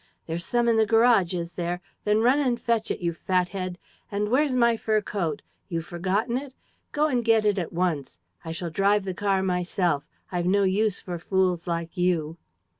There's some in the garage, is there? Then run and fetch it, you fat head! ... And where's my fur coat? You've forgotten it? Go and get it at once. I shall drive the car myself. I've no use for fools like you!